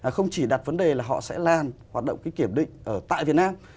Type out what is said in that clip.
không chỉ đặt vấn đề là họ sẽ làm hoạt động kiểm định ở tại việt nam